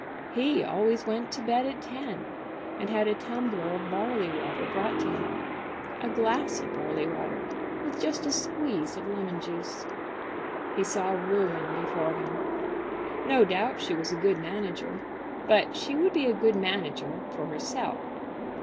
He always went to bed at ten, and had a tumbler of barley water brought to him, a glass of barley water with just a squeeze of lemon juice. He saw ruin before him. No doubt she was a good manager, but she would be a good manager for herself.